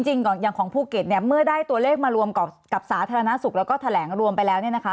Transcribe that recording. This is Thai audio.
จริงอย่างของภูเก็ตเนี่ยเมื่อได้ตัวเลขมารวมกับสาธารณสุกแล้วก็แถลงรวมไปแล้วเนี่ยนะคะ